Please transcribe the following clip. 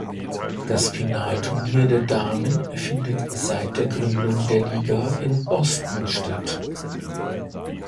Das Finalturnier der Damen findet seit der Gründung der Liga in Boston statt.